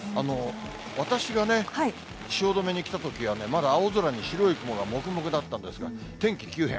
私がね、汐留に来たときはまだ青空に白い雲がもくもくだったんですが、天気急変。